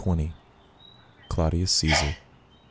CLAUDIUS CESAR.